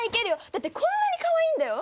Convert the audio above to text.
だってこんなにかわいいんだよ！